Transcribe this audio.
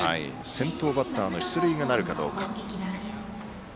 先頭バッターの出塁がなるかどうか。